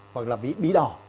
hoặc là bí đỏ